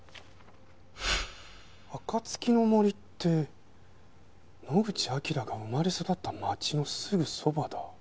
「暁の森」って野口明が生まれ育った町のすぐそばだ。